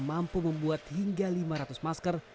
mampu membuat hingga lima ratus masker